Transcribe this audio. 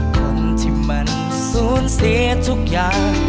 คนที่มันสูญเสียทุกอย่าง